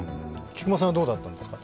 菊間さんはどうだったんですか。